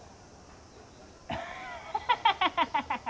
アハハハハ！